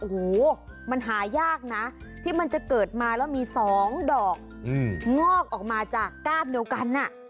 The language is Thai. โอ้โหมันหายากนะที่มันจะเกิดมาแล้วมี๒ดอกงอกออกมาจากก้านเดียวกัน